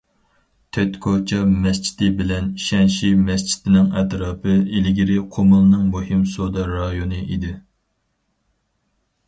تۆت كوچا مەسچىتى بىلەن شەنشى مەسچىتىنىڭ ئەتراپى ئىلگىرى قۇمۇلنىڭ مۇھىم سودا رايونى ئىدى.